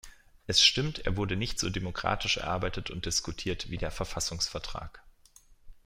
Es stimmt, er wurde nicht so demokratisch erarbeitet und diskutiert wie der Verfassungsvertrag.